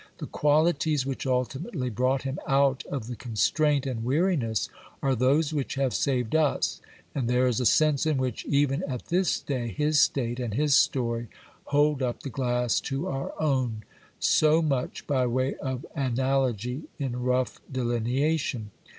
The qualities which ultimately brought him out of the constraint and weariness are those which have saved us, and there is a sense in which, even at this day, his state and his story hold up the glass to our own. So much by way of analogy in rough delineation.